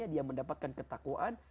dia mendapatkan ketakuan